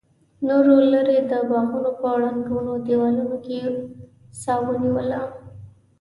نورو ليرې د باغونو په ړنګو دېوالونو کې سا ونيوله.